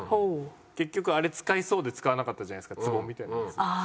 結局あれ使いそうで使わなかったじゃないですかつぼみたいなやつ。